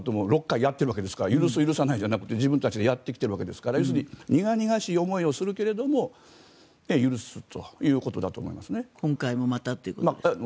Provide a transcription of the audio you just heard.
少なくともこれまで６回やってるわけですから許す、許さないじゃなくて自分たちでやってきているわけですから要するに苦々しい思いをするけれども許すということだと思います。